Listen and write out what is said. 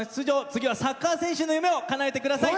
次はサッカー選手の夢をかなえてください。